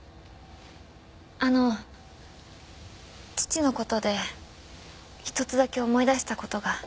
あの父の事で１つだけ思い出した事が。